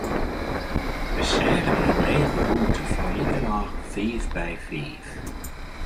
Wy seagen yn in lege rûmte fan likernôch fiif by fiif.